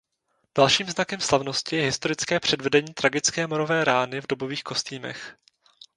Dalším znakem slavnosti je historické předvedení tragické morové rány v dobových kostýmech.